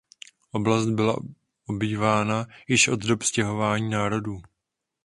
Oblast byla obývána již od dob stěhování národů.